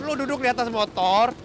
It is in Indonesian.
lu duduk di atas motor